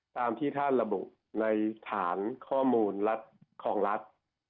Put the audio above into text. ตามที่ท่านระบุในฐานข้อมูลรัฐของรัฐ